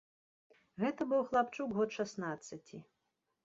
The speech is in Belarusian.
Гэта быў хлапчук год шаснаццаці.